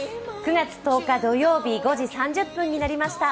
９月１０日土曜日５時３０分になりました。